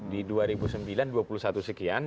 di dua ribu sembilan dua puluh satu sekian